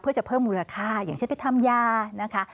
เพื่อจะเพิ่มมูลค่าอย่างเช่นไปทำยานะคะ